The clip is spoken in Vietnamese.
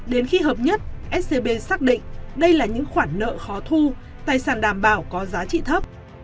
đến khi hợp nhất scb xác định đây là những khoản nợ khó thu tài sản đảm bảo có giá trị thấp